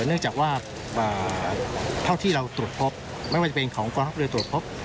เนื่องจากว่าเอ่อเท่าที่เราตรวจพบไม่ว่าจะเป็นของกรรมภัยตรวจพบ